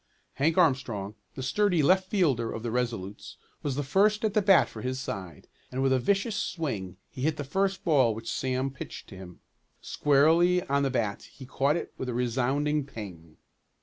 Hank Armstrong, the sturdy left fielder of the Resolutes, was the first at the bat for his side, and with a vicious swing he hit the first ball which Sam pitched to him. Squarely on the bat he caught it with a resounding ping!